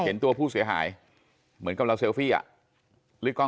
เห็นตัวผู้เสียหายเหมือนกับเราเซลฟี่อะ